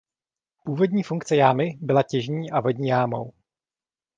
Původní funkce jámy byla těžní a vodní jámou.